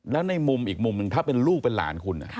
แล้วในอีกมุมถ้าเป็นลูกล้านคุณ